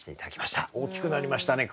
大きくなりましたね